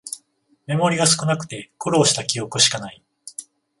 メモリが少なくて苦労した記憶しかない